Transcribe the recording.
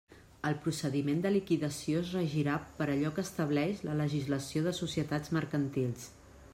El procediment de liquidació es regirà per allò que estableix la legislació de societats mercantils.